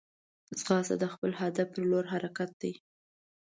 ځغاسته د خپل هدف پر لور حرکت دی